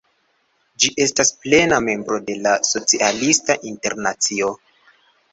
Ĝi estas plena membro de la Socialista Internacio.